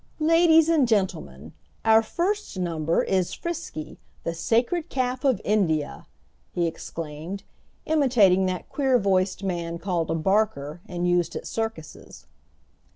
"Ladies and gentlemen! Our first number is Frisky, the Sacred Calf of India!" he exclaimed, imitating that queer voiced man called a "Barker" and used at circuses.